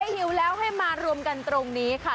หิวแล้วให้มารวมกันตรงนี้ค่ะ